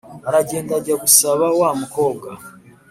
aragenda ajya gusaba wa mukobwa.